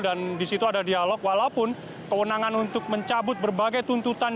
dan di situ ada dialog walaupun kewenangan untuk mencabut berbagai tuntutan